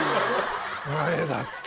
前だった。